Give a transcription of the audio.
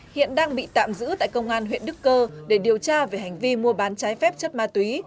hiện đang bị tạm giữ tại công an huyện đức cơ để điều tra về hành vi mua bán trái phép chất ma túy